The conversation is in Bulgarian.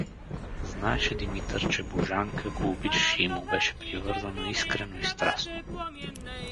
Знаеше Димитър, че Божанка го обичаше и му беше привързана искрено и страстно.